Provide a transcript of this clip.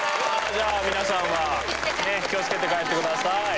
じゃあ皆さんはね気をつけて帰って下さい。